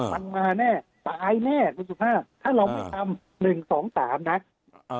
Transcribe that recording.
มันมาแน่ตายแน่คุณสุภาพถ้าเราไม่ทำหนึ่งสองสามนะอ่า